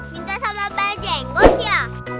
minta sama pak jenggot ya